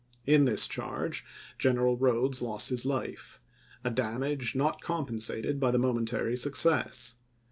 In this charge General Rodes lost his life — a damage not compensated by the momentary success.